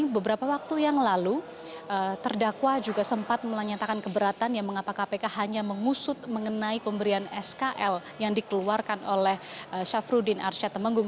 beberapa waktu yang lalu terdakwa juga sempat menyatakan keberatan yang mengapa kpk hanya mengusut mengenai pemberian skl yang dikeluarkan oleh syafruddin arsyad temenggung